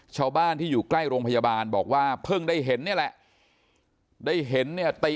ชาวบ้านที่อยู่ใกล้โรงพยาบาลบอกว่าเพิ่งได้เห็นนี่แหละได้เห็นเนี่ยติ